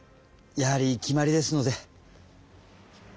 やはり決まりですので。